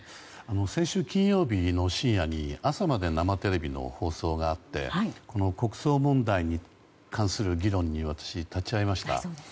先週金曜日の深夜に「朝まで生テレビ！」の放送があってこの国葬問題に関する議論に私は立ち会いました。